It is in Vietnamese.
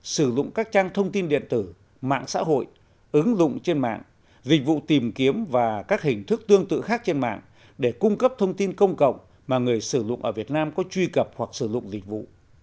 sử dụng các trang thông tin điện tử mạng xã hội ứng dụng trên mạng dịch vụ tìm kiếm và các hình thức tương tự khác trên mạng để cung cấp thông tin công cộng mà người sử dụng ở việt nam có truy cập hoặc sử dụng dịch vụ